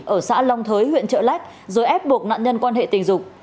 ở xã long thới huyện trợ lách rồi ép buộc nạn nhân quan hệ tình dục